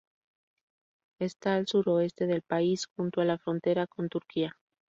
Está al suroeste del país, junto a la frontera con Turquía.